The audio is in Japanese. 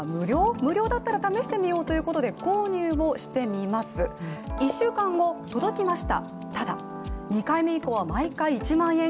無料だったら試してみようということで購入をしてみます、１週間後、届きました。